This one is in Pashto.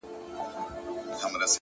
o اوس مي د زړه كورگى تياره غوندي دى،